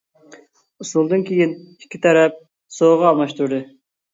ئۇسۇلدىن كىيىن ئىككى تەرەپ سوغا ئالماشتۇردى.